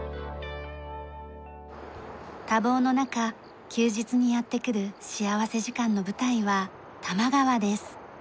多忙の中休日にやって来る幸福時間の舞台は多摩川です。